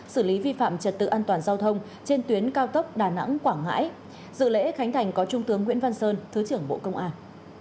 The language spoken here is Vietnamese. xử lý vi phạm trật tự an toàn giao thông trên tuyến cao tốc đà nẵng quảng ngãi dự lễ khánh thành có trung tướng nguyễn văn sơn thứ trưởng bộ công an